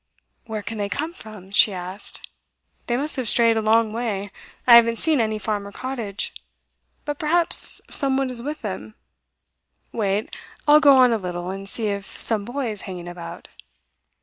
'Where can they come from?' she asked. 'They must have strayed a long way. I haven't seen any farm or cottage. But perhaps some one is with them. Wait, I'll go on a little, and see if some boy is hanging about.